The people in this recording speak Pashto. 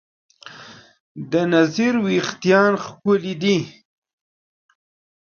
د نذیر وېښتیان ښکلي دي.